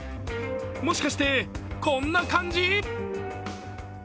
もしかして、こんな感じ？